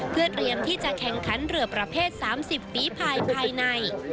เพื่อเตรียมที่จะแข่งขันเรือประเภท๓๐ฝีภายภายใน